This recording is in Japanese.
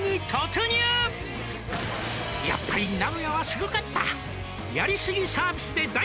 「やっぱり」